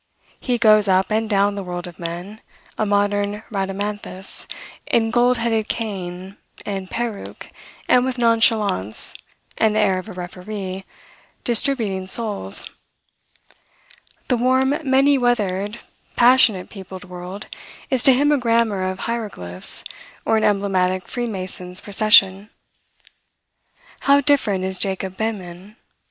He goes up and down the world of men, a modern Rhadamanthus in gold headed cane and peruke, and with nonchalance, and the air of a referee, distributing souls. The warm, many weathered, passionate peopled world is to him a grammar of hieroglyphs, or an emblematic freemason's procession. How different is Jacob Behmen!